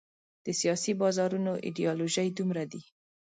د سیاسي بازارونو ایډیالوژۍ دومره دي.